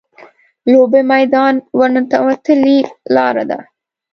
لوبې میدان ورننوتو لاره ده.